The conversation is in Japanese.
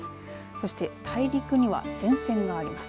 そして大陸には前線があります。